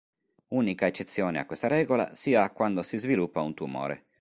Unica eccezione a questa regola si ha quando si sviluppa un tumore.